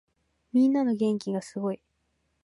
みんなの元気がすごい。